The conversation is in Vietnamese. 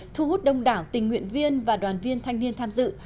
thu hút đông đảo tình nguyện viên và đoàn viên thanh niên tham dự